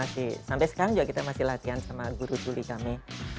sampai sekarang juga kita masih latihan sama guru tuli kami